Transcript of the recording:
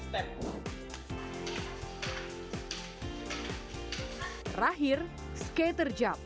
terakhir skater jump